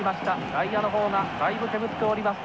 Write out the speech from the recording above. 外野の方がだいぶ煙っております。